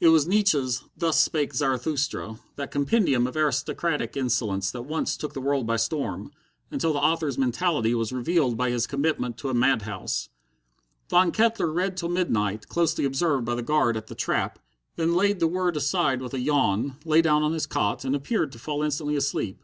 It was Nietzsche's "Thus Spake Zarathusta," that compendium of aristocratic insolence that once took the world by storm, until the author's mentality was revealed by his commitment to a mad house. Von Kettler read till midnight, closely observed by the guard at the trap, then laid the word aside with a yawn, lay down on his cot, and appeared to fall instantly asleep.